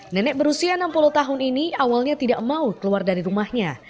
nenek berusia enam puluh tahun ini awalnya tidak mau keluar dari rumahnya